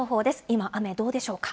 今、雨どうでしょうか。